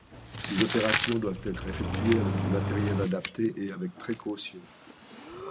Ces opérations doivent être effectuées avec du matériel adapté et avec précaution.